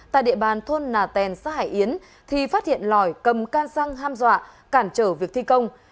tại địa bàn thôn nà tèn xã hải yến thì phát hiện lòi cầm ca răng ham dọa cản trở việc thi công